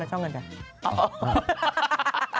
มาก้อนไปช่องกันจะ